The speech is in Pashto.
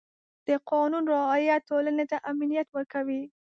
د قانون رعایت ټولنې ته امنیت ورکوي.